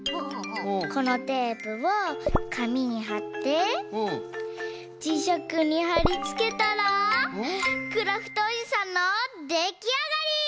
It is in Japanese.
このテープをかみにはってじしゃくにはりつけたらクラフトおじさんのできあがり！